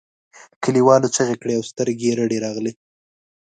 کليوالو چیغې کړې او سترګې یې رډې راغلې.